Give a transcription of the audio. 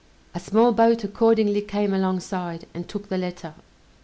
A small boat accordingly came alongside, and took the letter.